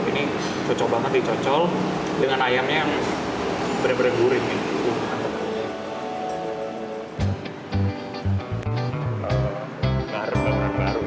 ini cocok banget dicocol dengan ayamnya yang benar benar gurih baru